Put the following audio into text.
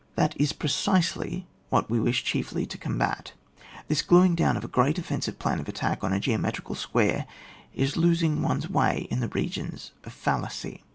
That is precisely what we wish chiefly to combat This glueing down of a great offensive plan of attack on a geometrical square, is losing one's way in the regions oi fallacy.